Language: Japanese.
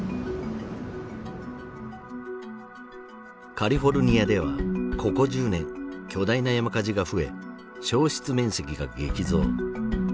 カリフォルニアではここ１０年巨大な山火事が増え焼失面積が激増。